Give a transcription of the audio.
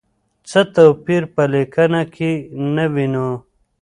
څه توپیر په لیکنه کې نه وینو؟